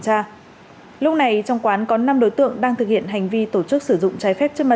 tra lúc này trong quán có năm đối tượng đang thực hiện hành vi tổ chức sử dụng trái phép chất ma